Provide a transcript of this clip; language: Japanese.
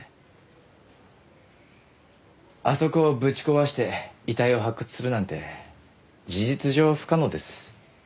あそこをぶち壊して遺体を発掘するなんて事実上不可能です。